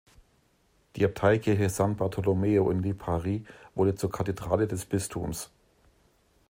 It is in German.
Die Abteikirche San Bartolomeo in Lipari wurde zur Kathedrale des Bistums.